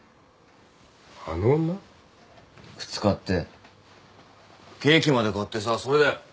靴買ってケーキまで買ってさそれで。